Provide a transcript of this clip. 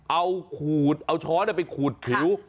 เอาขูดเอาช้อนไปขูดผิว